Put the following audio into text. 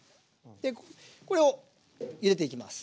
これをゆでていきます。